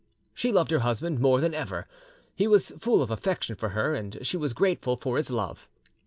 She loved her husband more than ever; he was full of affection for her, and she was grateful for his love.